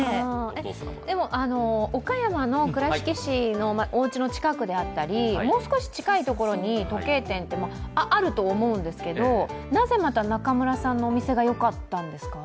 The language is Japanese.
でも、岡山の倉敷市のおうちの近くであったりもう少し近いところに時計店ってあると思うんですけどなぜまた中村さんのお店がよかったんですか？